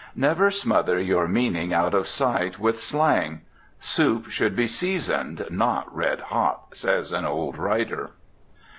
Never smother your meaning out of sight with slang. "Soup should be seasoned, not red hot," says an old writer.